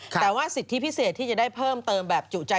แต่ว่าสิทธิพิเศษที่จะได้เพิ่มเติมแบบจุใจ